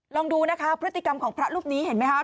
ลองดูนะคะพฤติกรรมของพระรูปนี้เห็นไหมคะ